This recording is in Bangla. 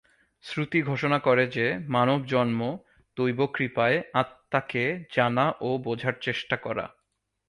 শ্রুতি ঘোষণা করে যে মানব জন্ম, দৈব কৃপায়, আত্মাকে জানা ও বোঝার চেষ্টা করা।